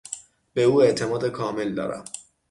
به او اعتماد کامل دارم.